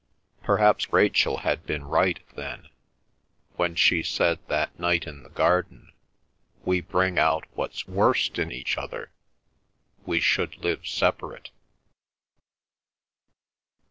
Perhaps Rachel had been right, then, when she said that night in the garden, "We bring out what's worst in each other—we should live separate."